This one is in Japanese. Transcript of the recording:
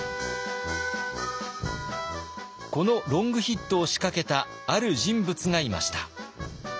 このロングヒットを仕掛けたある人物がいました。